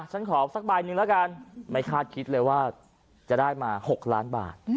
ฉันขอสักใบหนึ่งแล้วกันไม่คาดคิดเลยว่าจะได้มา๖ล้านบาท